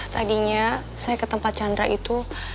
tadinya saya ke tempat chandra itu